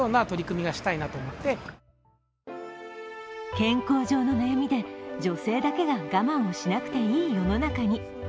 健康上の悩みで女性だけが我慢をしなくていい世の中に。